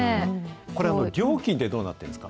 これ、料金ってどうなってるんですか。